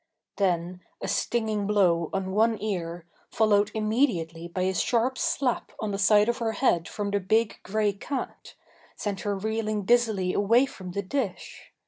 Then a stinging blow on one ear, followed immediately by a sharp slap on the side of her head from the big grey cat, sent her reeling dizzily away from the dish.